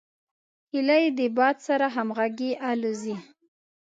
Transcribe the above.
هیلۍ د باد سره همغږي الوزي